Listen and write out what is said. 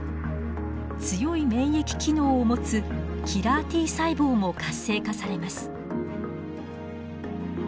強い免疫機能を持つキラーＴ細胞も活性化されます。